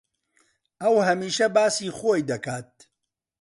ئەو ھەمیشە باسی خۆی دەکات.